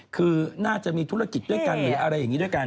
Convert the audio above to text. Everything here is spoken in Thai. คือน่าจะมีธุรกิจด้วยกันหรืออะไรอย่างนี้ด้วยกัน